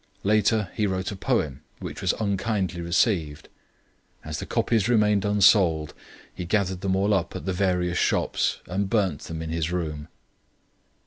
Later he wrote a poem which was unkindly received. As the copies remained unsold, he gathered them all up at the various shops and burned them in his room.